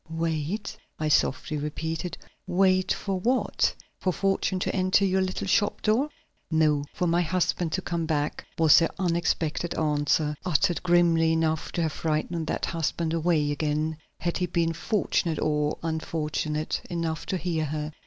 "Wait?" I softly repeated. "Wait for what? For fortune to enter your little shop door?" "No, for my husband to come back," was her unexpected answer, uttered grimly enough to have frightened that husband away again, had he been fortunate or unfortunate enough to hear her.